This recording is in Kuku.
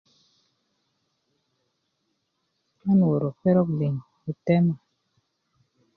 nan wörö perok liŋ i tema